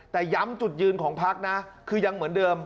แต่ย้ำจุดยืนของพักนะคือยังเหมือนเดิม